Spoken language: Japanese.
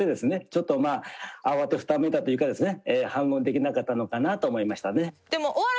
ちょっとまあ慌てふためいたというかですね反論できなかったのかなと思いましたね。